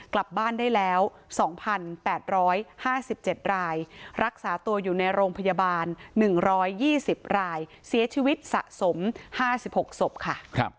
กลับบ้านได้แล้ว๒๘๕๗รายรักษาตัวอยู่ในโรงพยาบาล๑๒๐รายเสียชีวิตสะสม๕๖ศพค่ะ